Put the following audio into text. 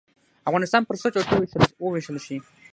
افغانستان پر څو ټوټو ووېشل شي.